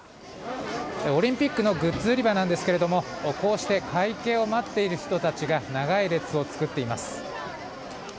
オリンピックのグッズ売り場なんですがこうして会計を待っている人たちが長い列を作っています。